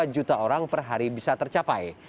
dua juta orang per hari bisa tercapai